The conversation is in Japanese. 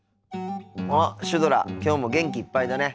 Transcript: あっシュドラきょうも元気いっぱいだね。